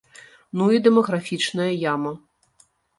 Ну і дэмаграфічная яма.